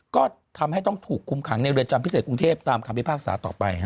ก็ทำให้ต้องถูกคุมขังในเรือนจำพิเศษกรุงเทพตามคำพิพากษาต่อไป